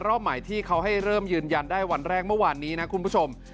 รอบใหม่ที่เขาให้เริ่มยืนยันได้วันแรกเมื่อวานนี้นะคุณผู้ชม